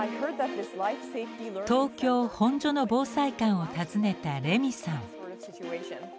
東京・本所の防災館を訪ねたレミーさん。